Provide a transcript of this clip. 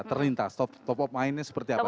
ternintas top of mindnya seperti apa